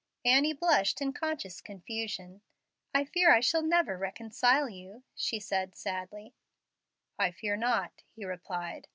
Annie blushed, in conscious confusion. "I fear I shall never reconcile you," she said, sadly. "I fear not," he replied.